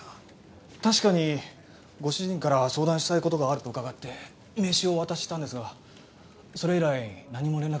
確かにご主人から相談したい事があると伺って名刺をお渡ししたんですがそれ以来何も連絡がないんです。